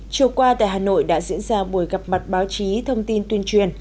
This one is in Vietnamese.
chiều qua tại hà nội đã diễn ra buổi gặp mặt báo chí thông tin tuyên truyền